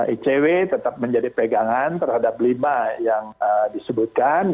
icw tetap menjadi pegangan terhadap lima yang disebutkan